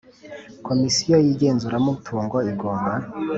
Komisiyo y igenzuramutungo igomba